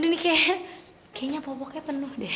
udah ini kayaknya popoknya penuh deh